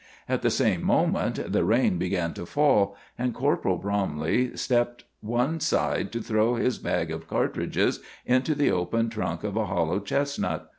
At the same moment the rain began to fall, and Corporal Bromley stepped one side to throw his bag of cartridges into the open trunk of a hollow chestnut.